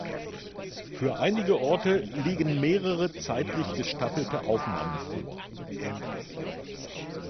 Für einige Orte liegen mehrere, zeitlich gestaffelte Aufnahmen vor.